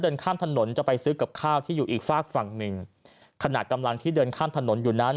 เดินข้ามถนนจะไปซื้อกับข้าวที่อยู่อีกฝากฝั่งหนึ่งขณะกำลังที่เดินข้ามถนนอยู่นั้น